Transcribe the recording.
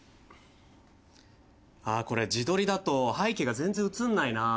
ああこれ自撮りだと背景が全然写んないなあ。